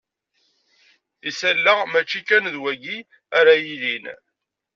Isalaɣen mačči kan d wagi ara yilin.